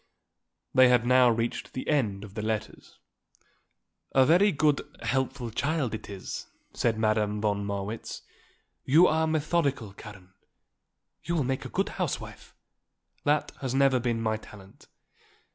They had now reached the end of the letters. "A very good, helpful child it is," said Madame von Marwitz. "You are methodical, Karen. You will make a good housewife. That has never been my talent."